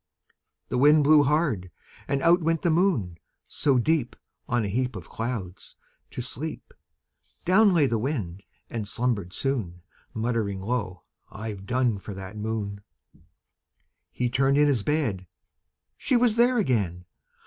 The Wind blew hard, and out went the Moon. So deep, On a heap Of clouds, to sleep, Down lay the Wind, and slumbered soon Muttering low, "I've done for that Moon." He turned in his bed; she was there again!